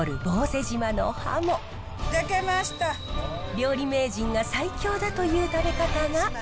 料理名人が最強だという食べ方が。